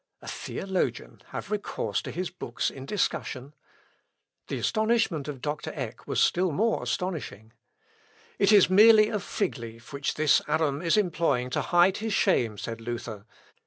A theologian have recourse to his books in discussion! The astonishment of Dr. Eck was still more astonishing. "It is merely a fig leaf which this Adam is employing to hide his shame," said Luther.